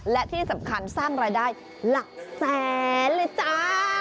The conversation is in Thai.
และที่สำคัญสร้างรายได้หลักแสนเลยจ้า